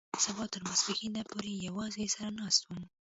سبا تر ماسپښينه پورې يوازې سر ناست وم.